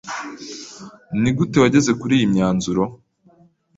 Nigute wageze kuriyi myanzuro?